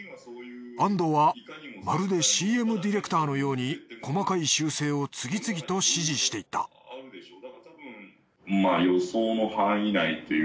安藤はまるでＣＭディレクターのようにこまかい修正を次々と指示していったススラそうですね。